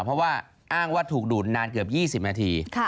เพราะว่าอ้างว่าถูกดูดนานเกือบ๒๐นาที